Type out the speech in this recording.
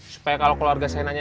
supaya kalau keluarga saya nanya